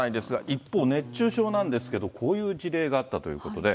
一方、熱中症なんですけど、こういう事例があったということで。